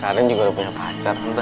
karin juga udah punya pacar nanti